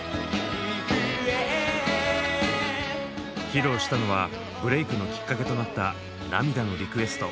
披露したのはブレークのきっかけとなった「涙のリクエスト」。